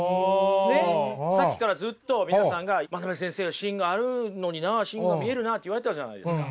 ねっさっきからずっと皆さんが真鍋先生は芯があるのにな芯が見えるなって言われてたじゃないですか。